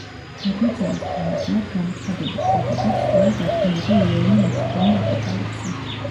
გადმოცემის თანახმად, გამოცხადების შედეგად, სწორედ აქ მიიღო იოანე მოციქულმა აპოკალიფსი.